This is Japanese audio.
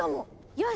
よし！